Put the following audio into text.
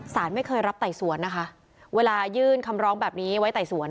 ไม่เคยรับไต่สวนนะคะเวลายื่นคำร้องแบบนี้ไว้ไต่สวน